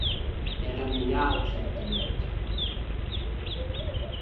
Era Menian senta nuot.